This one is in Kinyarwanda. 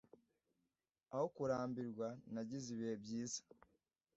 Aho kurambirwa Nagize ibihe byiza